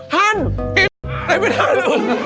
ท่านกินไม่ได้เหรอ